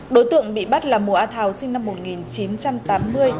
đối tượng bị bắt là mùa a thào sinh năm một nghìn chín trăm tám mươi